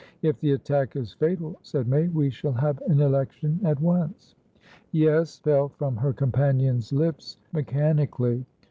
"If the attack is fatal," said May, "we shall have an election at once." "Yes," fell from her companion's lips mechanically.